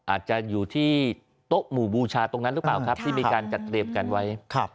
อาจจะอยู่ที่โต๊ะหมู่บูชาตรงนั้นหรือเปล่าครับที่มีการจัดเตรียมกันไว้